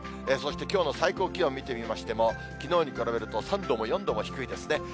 そして、きょうの最高気温見てみましても、きのうに比べると３度も４度も低いですね。